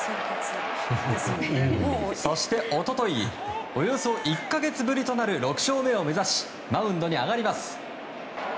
そして、一昨日およそ１か月ぶりとなる６勝目を目指しマウンドに上がります。